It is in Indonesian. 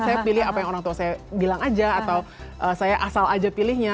saya pilih apa yang orang tua saya bilang aja atau saya asal aja pilihnya